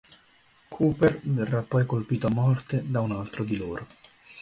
Cooper verrà poi colpito a morte da un altro di loro.